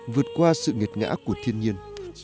vượt qua sự nghiệt ngã của thiên nhiên